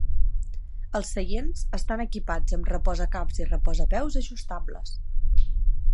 Els seients estan equipats amb reposacaps i reposapeus ajustables.